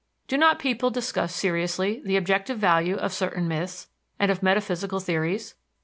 Do not people discuss seriously the objective value of certain myths, and of metaphysical theories?